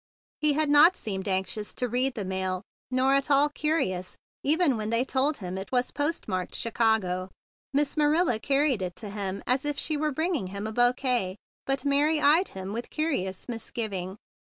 He had not seemed anxious to read the mail, nor at all curious, even when 148 THE BIG BLUE SOLDIER they told him it was postmarked Chi¬ cago. Miss Marilla carried it to him gayly as if she were bringing him a bouquet, but Mary eyed him with a curious misgiving.